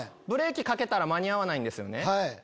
ブレーキかけたら間に合わないんですよね。